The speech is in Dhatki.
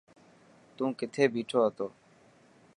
تون ڪٿي بيٺو هتو.